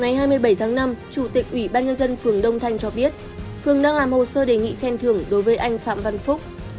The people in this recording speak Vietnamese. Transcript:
ngày hai mươi bảy tháng năm chủ tịch ủy ban nhân dân phường đông thanh cho biết phường đang làm hồ sơ đề nghị khen thưởng đối với anh phạm văn phúc